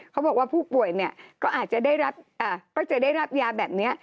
เขาบอกว่าผู้ป่วยก็อาจจะได้รับยาแบบนี้